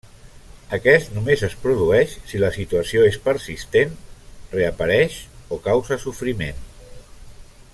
Aquest només es produeix si la situació és persistent, reapareix o causa sofriment.